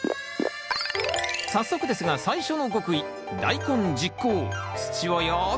早速ですが最初の極意